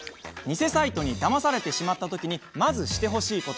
偽サイトにだまされてしまった時にまずしてほしいこと。